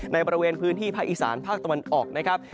บริเวณพื้นที่ภาคอีสานภาคตะวันออกนะครับ